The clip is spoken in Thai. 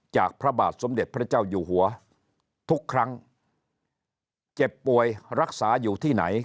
พระบาทสมเด็จพระเจ้าอยู่หัวทุกครั้งเจ็บป่วยรักษาอยู่ที่ไหน